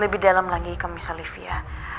lebih dalam lagi ke miss olivia